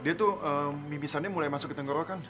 dia tuh mibisannya mulai masuk ke tenggorokan